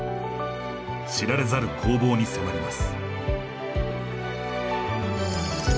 知られざる攻防に迫ります。